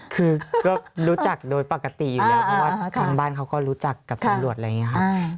คือก็รู้จักโดยปกติอยู่แล้วเพราะว่าทางบ้านเขาก็รู้จักกับตำรวจอะไรอย่างนี้ครับ